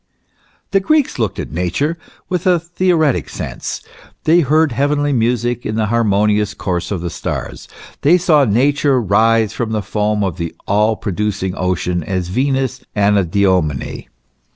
The Greeks looked at Nature with the theoretic sense ; they heard heavenly music in the harmonious course of the stars ; they saw Nature rise from the foam of the all producing ocean as Venus Anadyomene.